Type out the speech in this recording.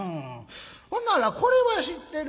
ほならこれは知ってるやろ。